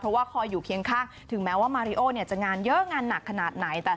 เพราะว่าคอยอยู่เคียงข้างถึงแม้ว่ามาริโอเนี่ยจะงานเยอะงานหนักขนาดไหน